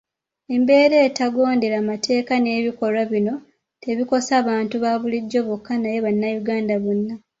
Embeera etagondera mateeka n’ebikolwa bino tebikosa bantu baabulijjo bokka naye Bannayuganda bonna.